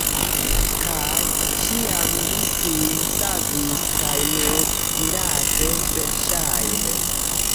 Kaj ĉiam li sin savis kaj nur mirakle, verŝajne.